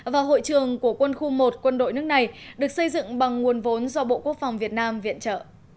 và hội trường của quân khu một quân đội nước này được xây dựng bằng nguồn vốn do bộ quốc phòng việt nam viện trợ